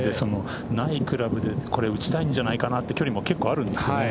ないクラブで打ちたいじゃないかなという距離も結構あるんですよね。